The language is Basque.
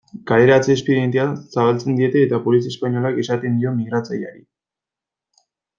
Kaleratze espedientea zabaltzen diete eta polizia espainolak esaten dio migratzaileari.